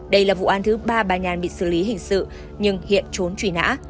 đây là vụ an thứ ba ba nhàn bị xử lý hình sự nhưng hiện trốn trùy nã